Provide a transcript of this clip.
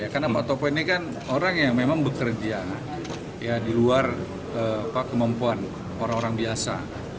karena pak topo ini kan orang yang memang bekerja di luar kemampuan orang orang biasa